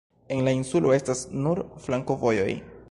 En la insulo estas nur flankovojoj.